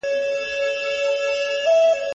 کوم کاري چاپیریال د ذهن لپاره مناسب دی؟